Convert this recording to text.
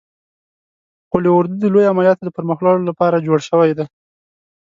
قول اردو د لوی عملیاتو د پرمخ وړلو لپاره جوړ شوی دی.